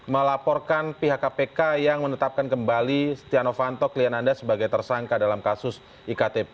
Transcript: melaporkan pihak kpk yang menetapkan kembali stiano fanto klien anda sebagai tersangka dalam kasus iktp